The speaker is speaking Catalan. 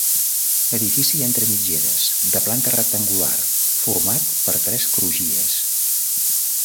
Edifici entre mitgeres de planta rectangular, format per tres crugies.